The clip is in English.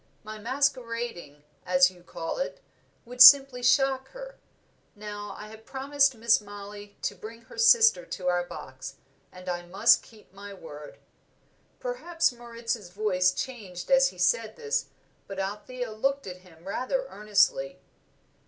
My masquerading, as you call it, would simply shock her. Now I have promised Miss Mollie to bring her sister to our box, and I must keep my word." Perhaps Moritz's voice changed as he said this, but Althea looked at him rather earnestly.